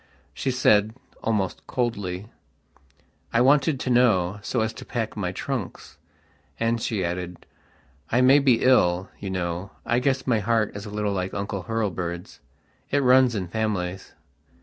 She said, almost coldly: "I wanted to know, so as to pack my trunks." And she added: "I may be ill, you know. I guess my heart is a little like Uncle Hurlbird's. It runs in families."